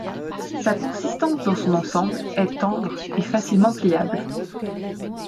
Sa consistance dans son ensemble est tendre et facilement pliable.